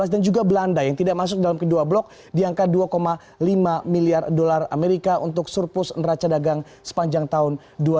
dan juga belanda yang tidak masuk dalam kedua blok di angka dua lima miliar dolar amerika untuk surplus neraca dagang sepanjang tahun dua ribu enam belas